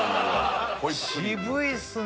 渋いっすね